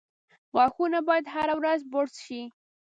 • غاښونه باید هره ورځ برس شي.